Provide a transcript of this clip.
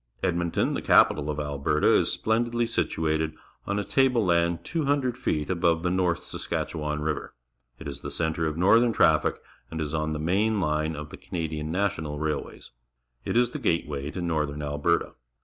Edmonton, the capital of Alberta, is splen didly situated on a table land 200 feet above the North Saskatchewan River. It is the centre of northern traffic and is on the main line of the Canadian National Railways. It is the gateway to northern Alberta.